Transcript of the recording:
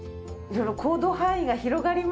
色々行動範囲が広がりますね。